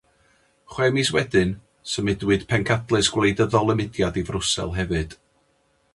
Chwe mis wedyn, symudwyd pencadlys gwleidyddol y mudiad i Frwsel hefyd.